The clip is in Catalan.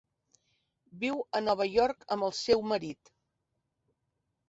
Viu a Nova York amb el seu marit.